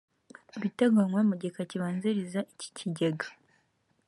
ibiteganywa mu gika kibanziriza iki kigega